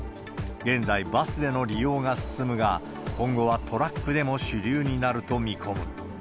現在、バスでの利用が進むが、今後はトラックでも主流になると見込む。